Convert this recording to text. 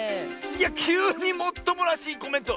いやきゅうにもっともらしいコメント！